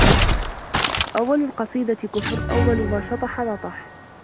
أول القصيدة كفر أول ما شطح نطح